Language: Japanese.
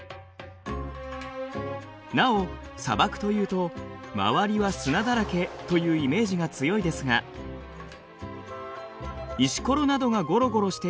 なお砂漠というと周りは砂だらけというイメージが強いですが石ころなどがごろごろしているれき